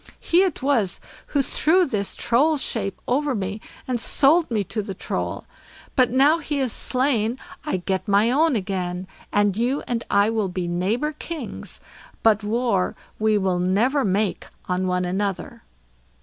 He it was who threw this Troll's shape over me, and sold me to the Troll. But now he is slain I get my own again, and you and I will be neighbour kings, but war we will never make on one another."